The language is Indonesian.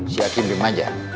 si hakim di maja